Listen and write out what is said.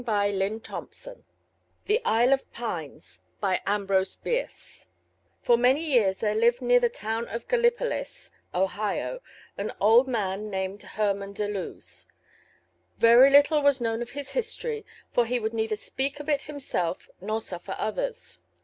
SOME HAUNTED HOUSES THE ISLE OF PINES FOR many years there lived near the town of Gallipolis, Ohio, an old man named Herman Deluse. Very little was known of his history, for he would neither speak of it himself nor suffer others.